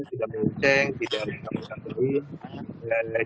tidak munceng tidak mengusang usang teri